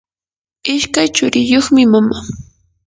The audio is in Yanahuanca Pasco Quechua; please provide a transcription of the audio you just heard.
ishkay churiyuqmi mama.